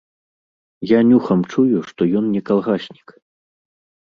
Я нюхам чую, што ён не калгаснік.